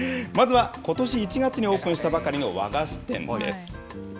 まずはことし１月にオープンしたばかりの和菓子店です。